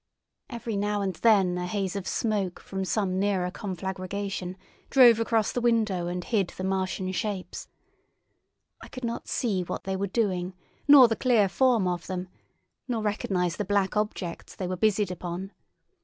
Every now and then a haze of smoke from some nearer conflagration drove across the window and hid the Martian shapes. I could not see what they were doing, nor the clear form of them, nor recognise the black objects they were busied upon.